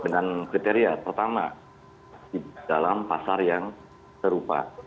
dan kriteria pertama dalam pasar yang serupa